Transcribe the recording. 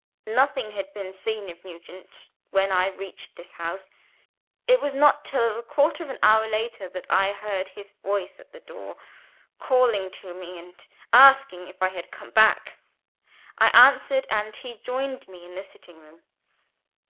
"Nothing had been seen of Nugent, when I reached this house. It was not till a quarter of an hour later that I heard his voice at the door, calling to me, and asking if I had come back. I answered, and he joined me in the sitting room.